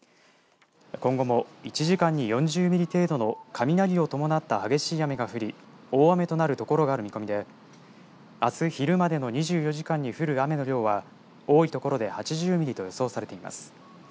今後も１時間に４０ミリ程度の雷を伴った激しい雨が降り大雨となる所がある見込みであす昼までの２４時間に降る雨の量は多い所で８０ミリと予想されています。